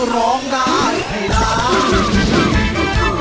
ร้องได้ให้ร้าน